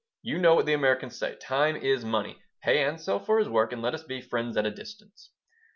"You know what the Americans say, 'Time is money.' Pay Ansel for his work and let us be 'friends at a distance.'"